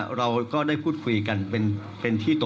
คุณหมอชนหน้าเนี่ยคุณหมอชนหน้าเนี่ย